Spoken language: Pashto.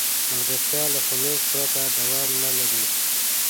ملګرتیا له خلوص پرته دوام نه لري.